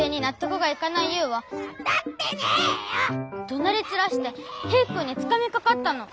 どなりちらしてヒーくんにつかみかかったの。